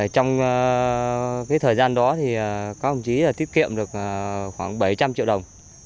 trong thời gian đó các ông chí tiết kiệm được khoảng bảy trăm linh triệu đồng